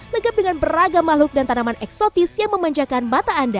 legap dengan beragam makhluk dan tanaman eksotis yang memenjakan batang